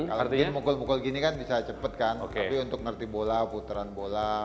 kalau mukul mukul gini kan bisa cepat kan tapi untuk ngerti bola puteran bola